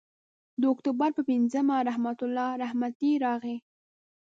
د اکتوبر پر پینځمه رحمت الله رحمتي راغی.